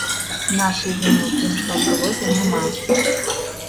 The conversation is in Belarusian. Нашай віны ў тым, што адбылося, няма.